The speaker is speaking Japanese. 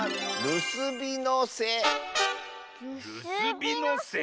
るすびのせ？